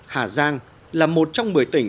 hà giang là một trong một mươi tỉnh